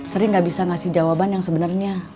sering gak bisa ngasih jawaban yang sebenarnya